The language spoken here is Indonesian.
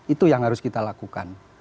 itu yang harus kita lakukan